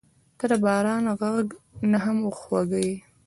• ته د باران غږ نه هم خوږه یې.